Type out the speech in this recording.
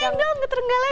emang dong terenggalek